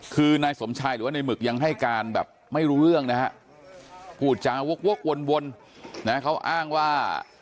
คือนายสมชายหรือว่าในหมึกยังให้การแบบไม่รู้เรื่องนะฮะพูดจาวกวนนะเขาอ้างว่า